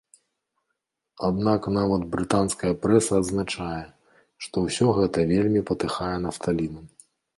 Аднак нават брытанская прэса адзначае, што ўсё гэта вельмі патыхае нафталінам.